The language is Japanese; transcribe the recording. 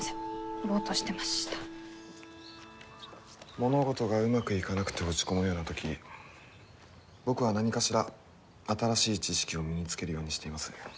物事がうまくいかなくて落ち込むような時僕は何かしら新しい知識を身につけるようにしています。